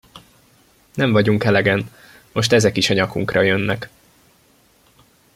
Nem vagyunk elegen, most ezek is a nyakunkra jönnek!